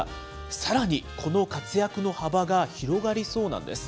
さらにこの活躍の幅が広がりそうなんです。